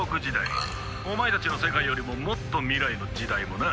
お前たちの世界よりももっと未来の時代もな。